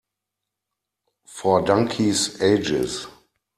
For donkeys' ages.